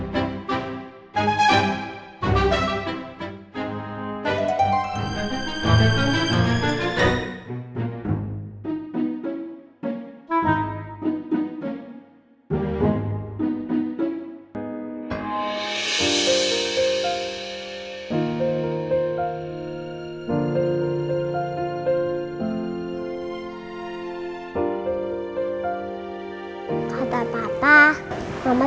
ketemu sama mama